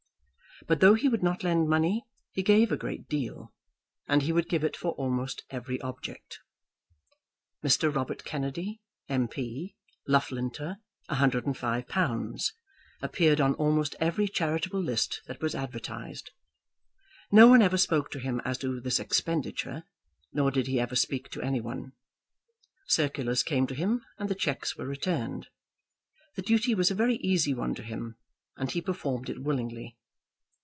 But though he would not lend money, he gave a great deal, and he would give it for almost every object. "Mr. Robert Kennedy, M.P., Loughlinter, £105," appeared on almost every charitable list that was advertised. No one ever spoke to him as to this expenditure, nor did he ever speak to any one. Circulars came to him and the cheques were returned. The duty was a very easy one to him, and he performed it willingly.